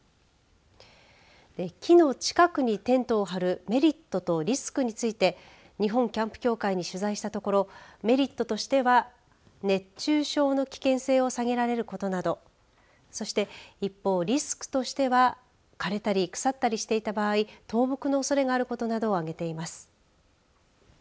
木の近くにテントを張るメリットとリスクについて日本キャンプ協会に取材したところメリットとしては熱中症の危険性を下げられることなどそして一方、リスクとしては枯れたり腐ったりしていた場合倒木のおそれがあることなどを挙げています。